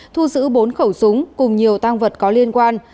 thu giữ bốn khẩu súng cùng nhiều tăng vật có liên quan